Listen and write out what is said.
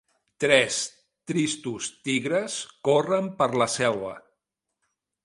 Tres tristos tigres corren per la selva.